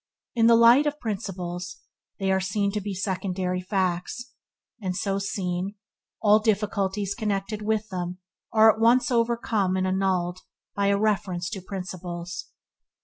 In the light of principles, they are seen to be secondary facts, and so seen, all difficulties connected with them are at once overcome and annulled by a reference to principles.